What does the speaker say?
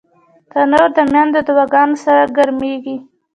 تنور د میندو دعاګانو سره ګرمېږي